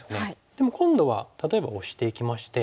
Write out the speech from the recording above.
でも今度は例えばオシていきまして。